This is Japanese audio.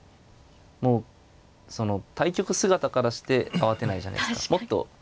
もう対局姿からして慌てないじゃないですか。